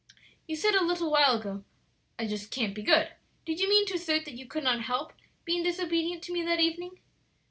"You said, a while ago, 'I just can't be good;' did you mean to assert that you could not help being disobedient to me that evening?"